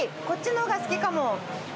こっちの方が好きかも。